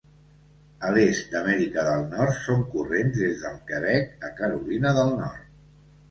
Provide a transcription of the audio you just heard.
A l'est d'Amèrica del Nord són corrents des del Quebec a Carolina del Nord.